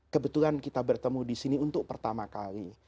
kebetulan kita bertemu disini untuk pertama kali